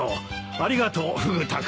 ありがとうフグ田君。